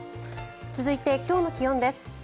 続いて、今日の気温です。